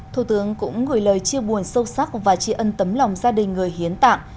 thủ tướng cũng gửi lời chia buồn sâu sắc và tri ân tấm lòng gia đình người hiến tạng